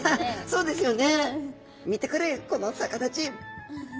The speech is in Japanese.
そうですよね。